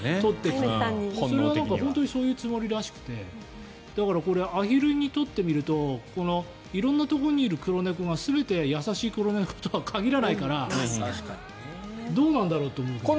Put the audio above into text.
それは本当にそういうつもりらしくてだから、アヒルにとってみると色んなところにいる黒猫が全て優しい黒猫とは限らないからどうなんだろうと思うけど。